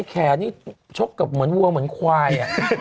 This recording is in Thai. แขนนี่ชกกับเหมือนวัวเหมือนควาย